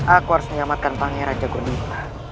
aku harus menyelamatkan pangeran jago dirimu